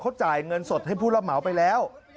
เขาจ่ายเงินสดให้ผู้รับเหมาไปแล้ว